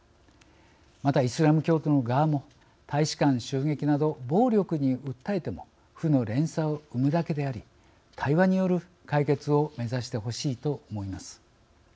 また、イスラム教徒の側も大使館襲撃など暴力に訴えても負の連鎖を生むだけであり対話による解決を目指してほしいと思います。